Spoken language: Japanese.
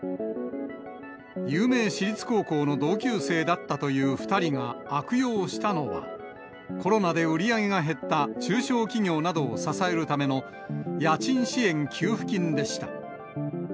有名私立高校の同級生だったという２人が悪用したのは、コロナで売り上げが減った中小企業などを支えるための家賃支援給付金でした。